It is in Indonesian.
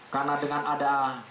karena dengan ada